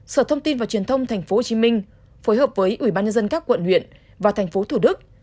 sở thông tin và truyền thông tp hcm phối hợp với ubnd các quận huyện và tp thủ đức